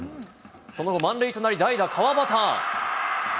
その後、満塁となり代打、川端。